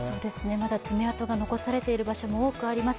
まだ爪痕が残されている場所も多くあります。